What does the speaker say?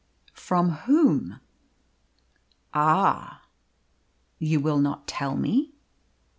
"From whom?" "Ah!" "You will not tell me?"